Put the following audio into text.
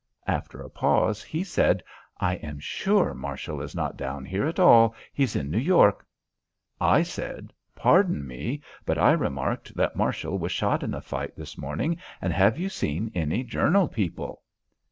After a pause, he said: "I am sure Marshall is not down here at all. He's in New York." I said: "Pardon me, but I remarked that Marshall was shot in the fight this morning, and have you seen any Journal people?"